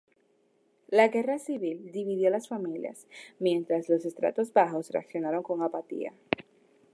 La guerra civil dividió a las familias, mientras los estratos bajos reaccionaron con apatía.